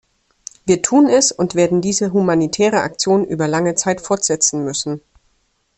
Wir tun es und werden diese humanitäre Aktion über lange Zeit fortsetzen müssen.